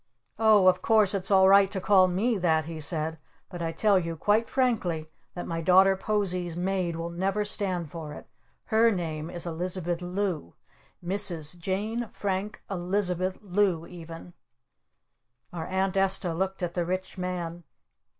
"Oh, of course, it's all right to call me that," he said. "But I tell you quite frankly that my daughter Posie's maid will never stand for it! Her name is Elizabeth Lou! Mrs. Jane Frank Elizabeth Lou even!" Our Aunt Esta looked at the Rich Man.